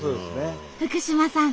福嶋さん